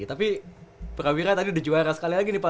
tapi prawira tadi udah juara sekali lagi nih pak